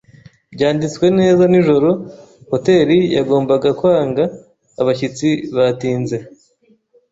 Byanditswe neza nijoro, hoteri yagombaga kwanga abashyitsi batinze.